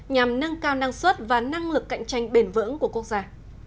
nhằm nâng cao năng suất và năng lực cạnh tranh bền vững của quốc gia